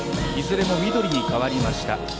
いずれも緑に変わりました。